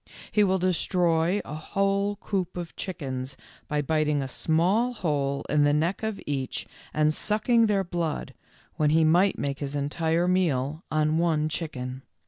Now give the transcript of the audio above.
He will destroy a whole coop of chickens, by biting a small hole in the neck of each and © sucking their blood, when he might make his entire meal on one chicken.